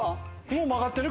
もう曲がってる？